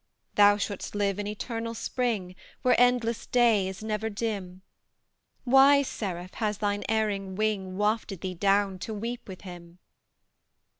Thou shouldst live in eternal spring, Where endless day is never dim; Why, Seraph, has thine erring wing Wafted thee down to weep with him?